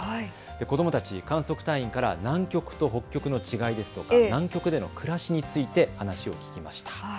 子どもたち、観測隊員から南極と北極の違いですとか、南極での暮らしについて話を聞きました。